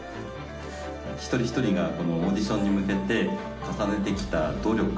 一人一人がこのオーディションに向けて重ねて来た努力